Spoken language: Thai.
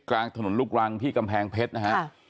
กลางถนนลูกรังที่กำแพงเพชรนะฮะ